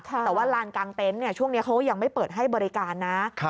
แต่ว่าลานกลางเต็นต์ช่วงนี้เขายังไม่เปิดให้บริการนะ